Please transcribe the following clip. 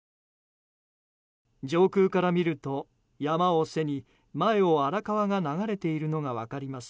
上空から見ると、山を背に前を荒川が流れているのが分かります。